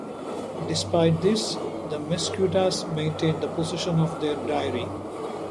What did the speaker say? Despite this, the Mesquitas maintained the position of their diary.